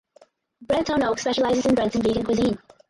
Breads On Oak specializes in breads and vegan cuisine.